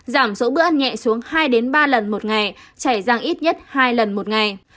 giảm số bữa ăn nhẹ xuống hai đến ba lần một ngày chảy răng ít nhất hai lần một ngày